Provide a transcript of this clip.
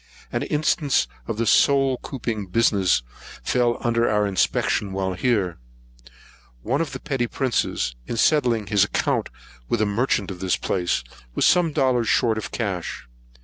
An instance of this soul couping business fell under our inspection while here. One of the petty princes, in settling his account with a merchant of this place, was some dollars short of cash.